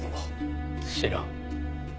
知らん。